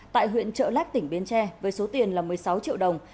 tại huyện trợ lách tỉnh bến tre với số tiền là một mươi sáu triệu đồng